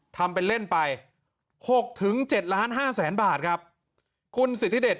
ทำเป็นเล่นไปหกถึงเจ็ดล้านห้าแสนบาทครับคุณสิทธิเดช